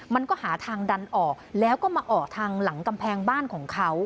มันก็หาทางดันออกแล้วก็มาออกทางหลังกำแพงบ้านของเขา